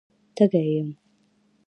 _تږی يم.